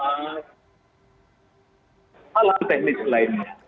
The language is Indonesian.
hal hal teknis lainnya